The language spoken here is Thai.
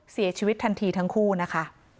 เสียชีวิตทันทีทั้งคู่นะคะ